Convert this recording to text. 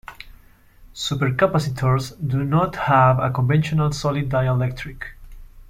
Supercapacitors do not have a conventional solid dielectric.